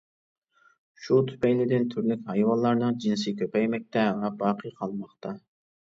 شۇ تۈپەيلىدىن تۈرلۈك ھايۋانلارنىڭ جىنسى كۆپەيمەكتە ۋە باقى قالماقتا.